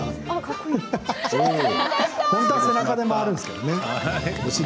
本当は背中で回るんですけどね。